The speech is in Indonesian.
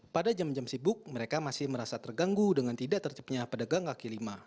pada jam jam sibuk mereka masih merasa terganggu dengan tidak terjepitnya pedagang kaki lima